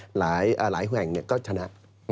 หลายแห่งเนี่ยก็ชนะ